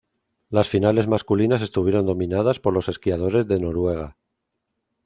Las finales masculinas estuvieron dominadas por los esquiadores de Noruega.